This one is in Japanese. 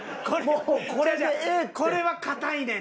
これは硬いねん。